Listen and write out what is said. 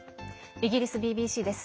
イギリスＢＢＣです。